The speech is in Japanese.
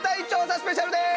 スペシャルです！